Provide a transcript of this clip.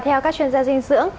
theo các chuyên gia dinh dưỡng